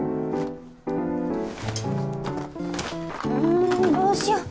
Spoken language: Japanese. うどうしよう。